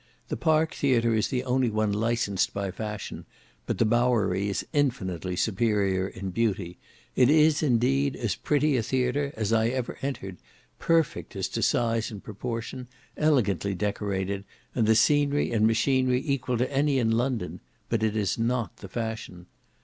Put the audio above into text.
The Park Theatre is the only one licensed by fashion, but the Bowery is infinitely superior in beauty; it is indeed as pretty a theatre as I ever entered, perfect as to size and proportion, elegantly decorated, and the scenery and machinery equal to any in London, but it is not the fashion.